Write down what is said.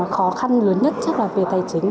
khó khăn lớn nhất chắc là về tài chính